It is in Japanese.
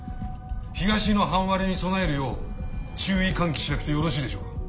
東の半割れに備えるよう注意喚起しなくてよろしいでしょうか？